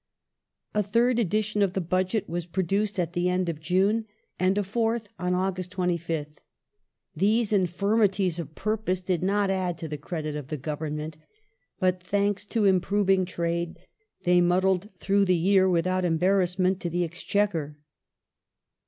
A third edition of the Budget was produced at the end of June, and a fourth on August 25th. These infirmities of purpose did not add to the credit of the Govern ment, but, thanks to improving trade, they muddled through the year without embarrassment to the Exchequer.